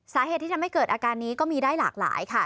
สาเหตุที่ทำให้เกิดอาการนี้ก็มีได้หลากหลายค่ะ